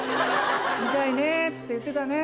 見たいねって言ってたね。